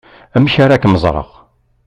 Amek ara kem-ẓreɣ?